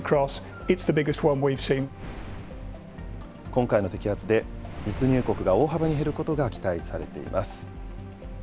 今回の摘発で、密入国が大幅に減ることが期待されています。